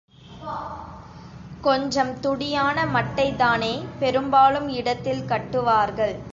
கொஞ்சம் துடியான மாட்டைத்தானே பெரும்பாலும் இடத்தில் கட்டுவார்கள்?